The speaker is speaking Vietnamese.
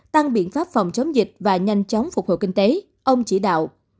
tăng biện pháp phòng chống dịch và nhanh chóng phục hồi kinh tế ông chỉ đạo